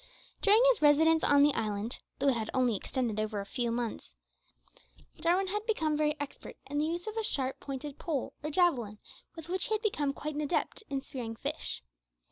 During his residence on the island, although it had only extended over a few months, Jarwin had become very expert in the use of a sharp pointed pole, or javelin, with which he had become quite an adept in spearing fish.